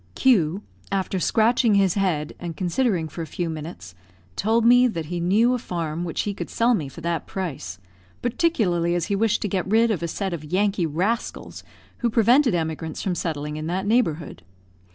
Q , after scratching his head, and considering for a few minutes, told me that he knew a farm which he could sell me for that price, particularly as he wished to get rid of a set of Yankee rascals who prevented emigrants from settling in that neighbourhood.